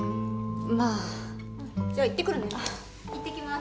まあじゃあ行ってくるね行ってきます